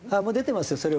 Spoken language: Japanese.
もう出てますよ